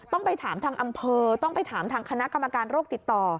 ต้องไปถามทางอำเภอต้องไปถามทางคณะกรรมการโรคติดต่อ